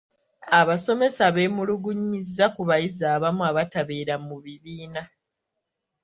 Abasomesa beemulugunyizza ku bayizi abamu abatabeera mu bibiina.